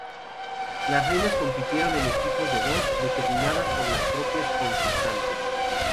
La reinas compitieron en equipos de dos, determinadas por las propias concursantes.